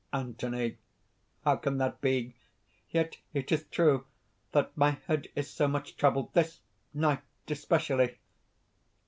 ANTHONY. "How can that be? Yet it is true that my head is so much troubled this night especially."